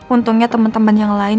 untungnya temen temen yang lain